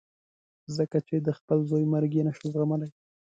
ځکه چې د خپل زوی مرګ یې نه شو زغملای.